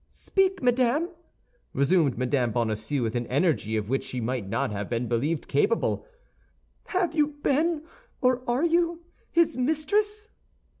"Speak, madame!" resumed Mme. Bonacieux, with an energy of which she might not have been believed capable. "Have you been, or are you, his mistress?"